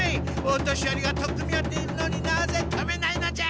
お年よりが取っ組み合っているのになぜ止めないのじゃ！？